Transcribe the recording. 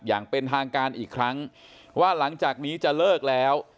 อย่างเป็นทางการอีกครั้งว่าหลังจากนี้จะเลิกแล้ว